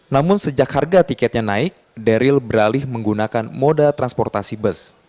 namun sejak harga tiketnya naik daryl beralih menggunakan moda transportasi bus